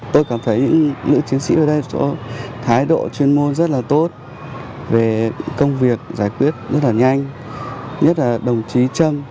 tôi cảm thấy nữ chiến sĩ ở đây có thái độ chuyên môn rất là tốt về công việc giải quyết rất là nhanh nhất là đồng chí trâm